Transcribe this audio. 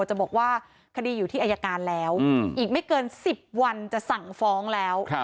จะบอกว่าคดีอยู่ที่อายการแล้วอีกไม่เกิน๑๐วันจะสั่งฟ้องแล้ว